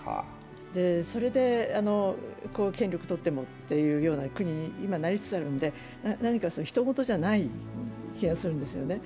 それで権力をとってもという機運に今、なりつつあるんで何か、ひと事じゃない気がするんですよね。